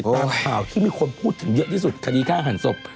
ตามข่าวที่มีคนพูดถึงเยอะที่สุดคดีฆ่าหันศพ